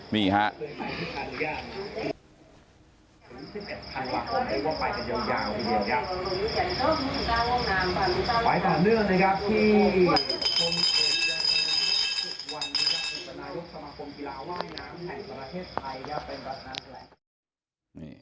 นี่อาจารย์เนี่ยนะครับที่